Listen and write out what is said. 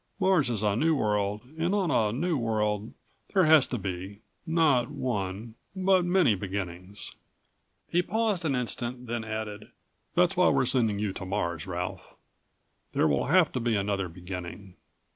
Mars is a new world and on a new world there has to be not one, but many beginnings." He paused an instant, then added: "That's why we're sending you to Mars, Ralph. There will have to be another beginning.